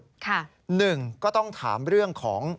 หนึ่งก็ต้องถามเรื่องของ